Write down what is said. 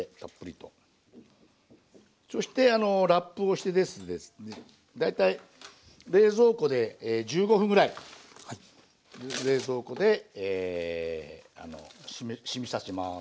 そしてラップをしてですね大体冷蔵庫で１５分ぐらい冷蔵庫でしみさせます。